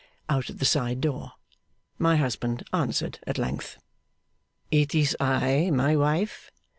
out at the side door. My husband answered at length, 'It is I, my wife!